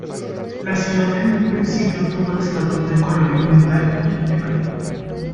La ciudad en un principio tuvo el estatus de colonia militar y penal.